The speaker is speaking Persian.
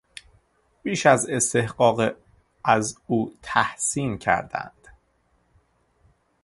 بیش از استحقاق از او تحسین کردند.